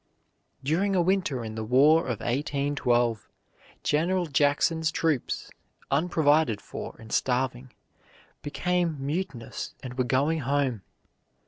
During a winter in the War of 1812, General Jackson's troops, unprovided for and starving, became mutinous and were going home.